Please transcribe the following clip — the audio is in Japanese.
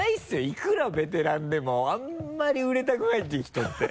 いくらベテランでもあんまり売れたくないっていう人って。